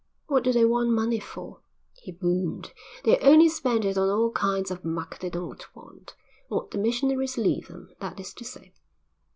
"What do they want money for?" he boomed. "They'll only spend it on all kinds of muck they don't want; what the missionaries leave them, that is to say."